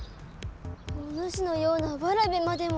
おぬしのようなわらべまでも。